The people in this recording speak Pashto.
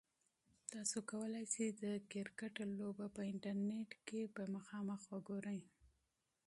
تاسو کولای شئ چې د کرکټ لوبه په انټرنیټ کې په مستقیم وګورئ.